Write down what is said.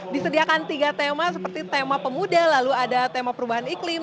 disediakan tiga tema seperti tema pemuda lalu ada tema perubahan iklim